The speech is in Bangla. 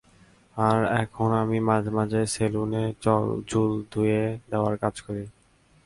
আর এখন আমি মাঝে মাঝে সেলুনে চুল ধুয়ে দেওয়ার কাজ করি।